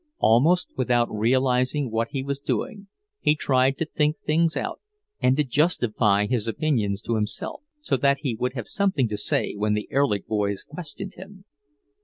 Almost without realizing what he was doing, he tried to think things out and to justify his opinions to himself, so that he would have something to say when the Erlich boys questioned him.